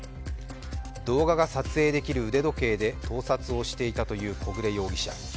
動画が撮影できる腕時計で盗撮をしていたという小暮容疑者。